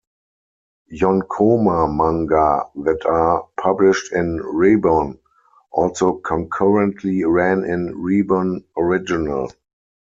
Yonkoma manga that are published in Ribon also concurrently ran in "Ribon Original".